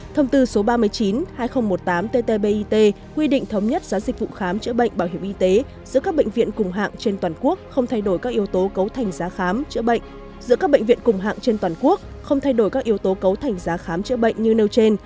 thông tư số ba mươi chín hai nghìn một mươi tám ttbit quy định thống nhất giá dịch vụ khám chữa bệnh bảo hiểm y tế giữa các bệnh viện cùng hạng trên toàn quốc không thay đổi các yếu tố cấu thành giá khám chữa bệnh như nêu trên